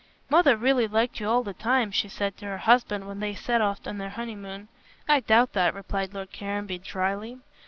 "Mother really liked you all the time," she said to her husband when they set off on their honeymoon. "I doubt that," replied Lord Caranby, dryly.